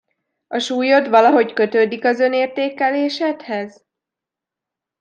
A súlyod valahogy kötődik az önértékelésedhez?